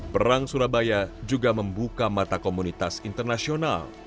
perang surabaya juga membuka mata komunitas internasional